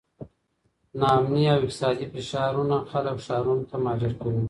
ناامني او اقتصادي فشارونه خلک ښارونو ته مهاجر کوي.